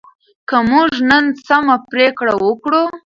که موږ نن سمه پریکړه وکړو.